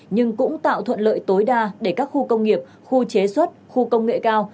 nhưng cũng tạo thuận lợi tối đa để các khu công nghiệp khu chế xuất khu công nghệ cao